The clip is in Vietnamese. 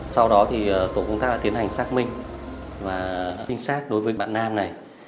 sau đó thì tổ công tác đã tiến hành xác minh và trinh sát đối với bạn nam này